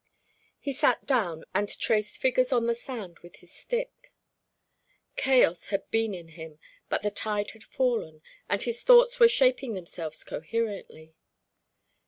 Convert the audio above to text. He sat down, and traced figures on the sand with his stick. Chaos had been in him; but the tide had fallen, and his thoughts were shaping themselves coherently.